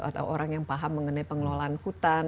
atau orang yang paham mengenai pengelolaan hutan